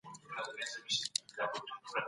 چاپېريال د انسان په خوی کي رول لري.